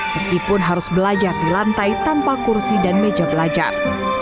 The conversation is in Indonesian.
meskipun harus belajar di lantai tanpa kursi dan meja belajar